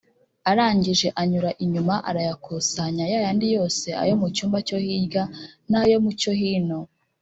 arangije anyura inyuma “arayakusanya ya yandi yose ayo mu cyumba cyo hirya n’ayo mu cyo hino